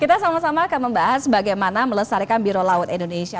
kita sama sama akan membahas bagaimana melestarikan biro laut indonesia